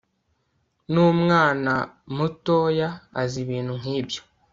Numwana mutoya azi ibintu nkibyo